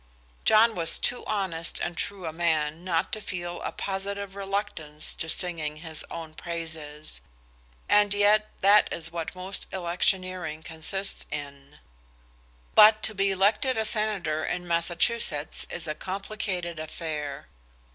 John was too honest and true a man not to feel a positive reluctance to singing his own praises, and yet that is what most electioneering consists in. But to be elected a senator in Massachusetts is a complicated affair.